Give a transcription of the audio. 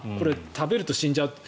食べると死んじゃうって。